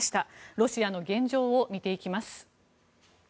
ロシアの現状を見ていきます。